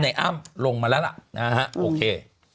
คุณไอ้อ้ำลงมาแล้วล่ะโอเค